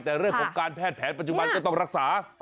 แต่เรื่องของการแพทย์แผนปัจจุบันก็ต้องรักษา